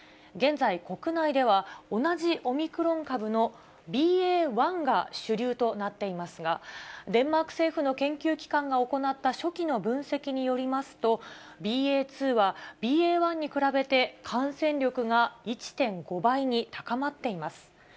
現在、国内では同じオミクロン株のＢＡ．１が主流となっていますが、デンマーク政府の研究機関が行った初期の分析によりますと、ＢＡ．２はＢＡ．１に比べて感染力が１．５倍に高まっています。